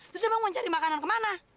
terus emang mau cari makanan kemana